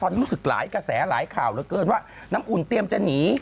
ตอนนี้รู้สึกหลายกระแสหลายข่าวเหลือเกินว่าน้ำอุ่นเตรียมจะหนี